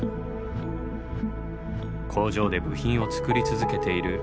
工場で部品を作り続けている国立天文台。